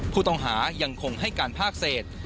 ผู้ต้องหายังคงให้การภาคเศษ